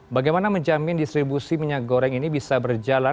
bagaimana menjamin distribusi minyak goreng ini bisa berjalan